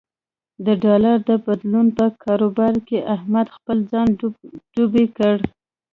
د ډالر د بدلون په کاروبار کې احمد خپل ځان ډوب یې کړ.